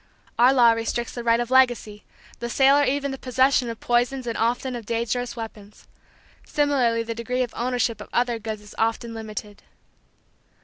Our law restricts the right of legacy, the sale or even the possession of poisons and often of dangerous weapons. Similarly the degree of ownership of other goods is often limited.